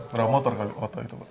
berapa motor kali